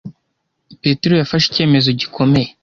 Petero yafashe icyemezo gikomeye.